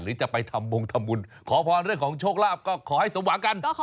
จะไปทำบงทำบุญขอพรเรื่องของโชคลาภก็ขอให้สมหวังกัน